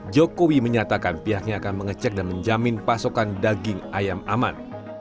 jokowi menyatakan pihaknya akan mengecek dan menjamin pasokan daging ayam aman